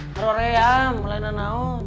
haro haro ya mulai nanah nanah